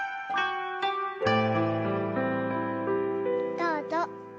どうぞ。